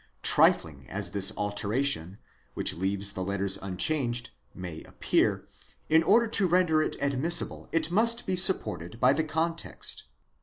Trifling as this alteration, which leaves the letters unchanged, may appear, in order to render it admissible it must be supported by the context.